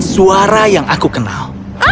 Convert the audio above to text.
suara yang aku kenal